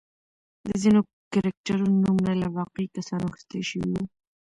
د ځینو کرکټرونو نومونه له واقعي کسانو اخیستل شوي وو.